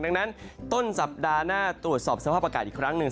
ดังนั้นต้นสัปดาห์หน้าตรวจสอบสภาพอากาศอีกครั้งหนึ่ง